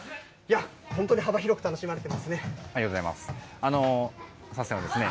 本当に幅広く楽しまれていますね。